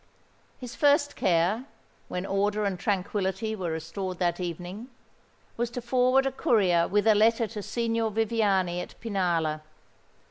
His first care, when order and tranquillity were restored that evening, was to forward a courier with a letter to Signor Viviani at Pinalla.